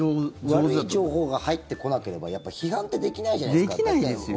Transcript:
悪い情報が入ってこなければやっぱり批判ってできないじゃないですか。